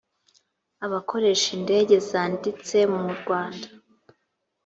abakoresha indege zanditse mu rwanda